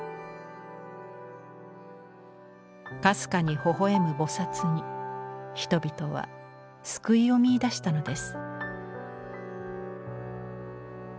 かすかにほほ笑む菩に人々は救いを見いだしたのです。